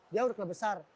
dia udah kelas besar